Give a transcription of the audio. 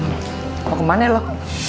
mau kemana lu